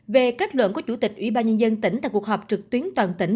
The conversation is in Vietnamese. về kết luận của chủ tịch ủy ban nhân dân tỉnh tại cuộc họp trực tuyến toàn tỉnh